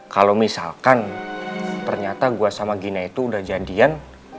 kalo misalkan ternyata gua sama gina itu udah jadian